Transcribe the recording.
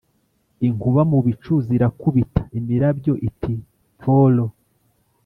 Inkuba mu bicu zirakubita imirabyo iti pforo